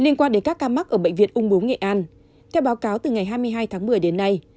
liên quan đến các ca mắc ở bệnh viện ung bú nghệ an theo báo cáo từ ngày hai mươi hai tháng một mươi đến nay